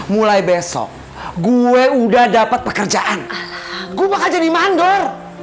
mulai besok gue udah dapat pekerjaan gua jadi mandor